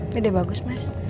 beda bagus mas